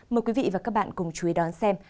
mời quý vị và các bạn cùng chú ý đón xem